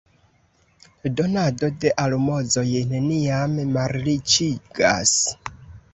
Donado de almozoj neniam malriĉigas.